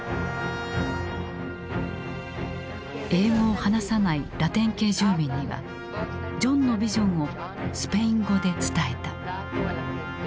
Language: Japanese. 英語を話さないラテン系住民にはジョンのビジョンをスペイン語で伝えた。